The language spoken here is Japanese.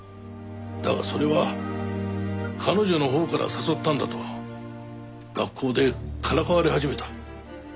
だがそれは彼女のほうから誘ったんだと学校でからかわれ始めた。